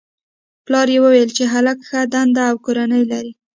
پلار یې ویل چې هلک ښه دنده او کورنۍ لري